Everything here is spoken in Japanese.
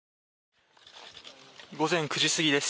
午前９時過ぎです。